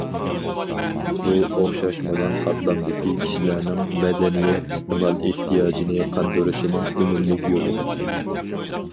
بۇ، ئوخشاشمىغان قاتلامدىكى كىشىلەرنىڭ مەدەنىيەت ئىستېمال ئېھتىياجىنى قاندۇرۇشنىڭ ئۈنۈملۈك يولى.